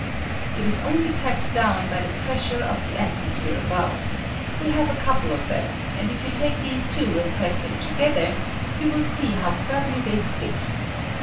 It is only kept down by the pressure of the atmosphere above ; we have a couple of them, and if you take these two and press them together, you will see how firmly they stick.